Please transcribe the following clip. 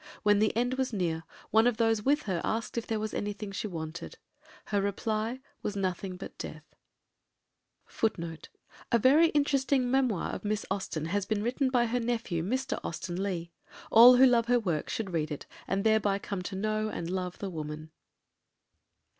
When the end was near, one of those with her asked if there was anything she wanted; her reply was, "Nothing but death." Footnote 4: A very interesting memoir of Miss Austen has been written by her nephew, Mr. Austen Leigh. All who love her works should read it, and thereby come to know and love the woman.